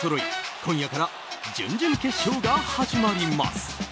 今夜から準々決勝が始まります。